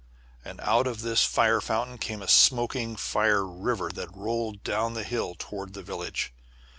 And out of this fire fountain came a smoking fire river, that rolled down the hill toward the village.